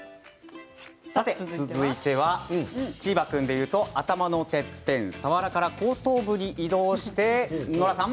続いてはチーバくんでいうと頭のてっぺん佐原から後頭部に移動してノラさん。